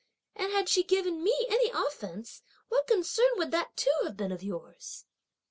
and had she given me any offence, what concern would that too have been of yours?"